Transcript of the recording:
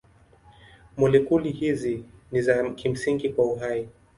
Molekuli hizi ni za kimsingi kwa uhai.